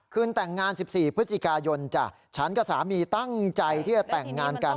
คืนแต่งงาน๑๔พฤศจิกายนจ้ะฉันกับสามีตั้งใจที่จะแต่งงานกัน